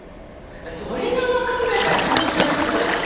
それがわからないから気持ち悪いんじゃない。